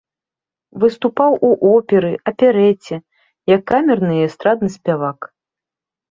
Выступаў у оперы, аперэце, як камерны і эстрадны спявак.